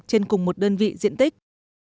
trên cùng một đơn vị diện tích